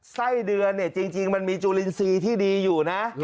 ไส้เดือนเนี่ยจริงมันมีจุลินทรีย์ที่ดีอยู่นะ